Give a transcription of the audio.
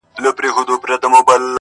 په یوه شپه به پردي سي شتمنۍ او نعمتونه!!